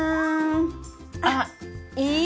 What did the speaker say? あっいい！